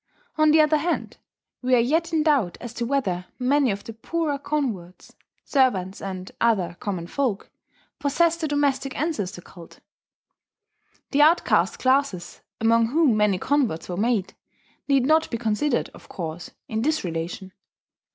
On the other hand, we are yet in doubt as to whether many of the poorer converts servants and other common folk possessed a domestic ancestor cult. The outcast classes, among whom many converts were made, need not be considered, of course, in this relation.